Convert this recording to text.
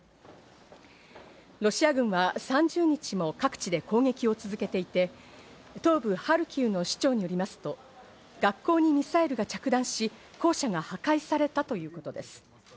ロシア軍が３０日も各地で攻撃を続けていて、東部ハルキウの市長によりますと、学校にミサイルが着弾し、校舎が破壊されたということです。